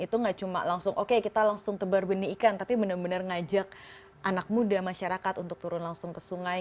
jadi kita tidak cuma langsung oke kita langsung tebar benih ikan tapi benar benar mengajak anak muda masyarakat untuk turun langsung ke sungai